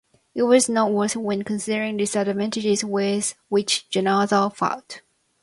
It was a noteworthy win considering the disadvantages with which Jannazzo fought.